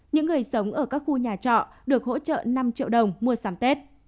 những người sống ở các khu nhà trọ được hỗ trợ năm triệu đồng mua sắm tết